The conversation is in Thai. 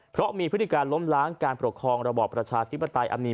เพราะมีพฤติการล้มล้างการปกครองระบอบประชาธิปไตย